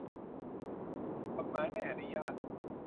กฎหมายไม่อนุญาต